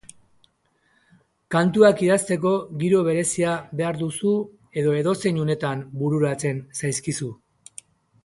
Kantuak idazteko giro berezia behar duzu edo edozein unetan bururatzen zaizkizu?